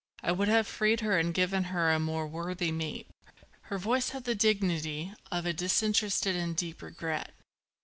I would have freed her and given her to a more worthy mate." Her voice had the dignity of a disinterested and deep regret.